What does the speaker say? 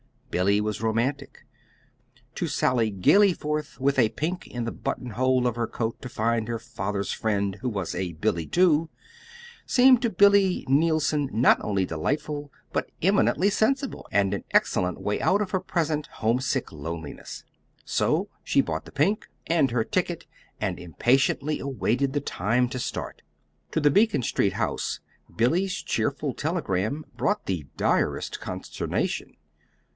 Billy was romantic. To sally gaily forth with a pink in the buttonhole of her coat to find her father's friend who was a "Billy" too, seemed to Billy Neilson not only delightful, but eminently sensible, and an excellent way out of her present homesick loneliness. So she bought the pink and her ticket, and impatiently awaited the time to start. To the Beacon Street house, Billy's cheerful telegram brought the direst consternation.